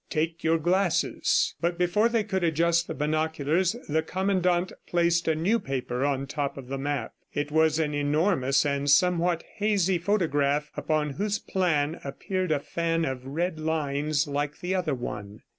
"Take your glasses." But before they could adjust the binoculars, the Commandant placed a new paper on top of the map. It was an enormous and somewhat hazy photograph upon whose plan appeared a fan of red lines like the other one.